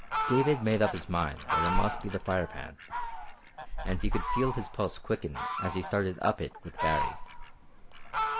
David made up his mind that it must be the Firepan, and he could feel his pulse quicken as he started up it with Baree.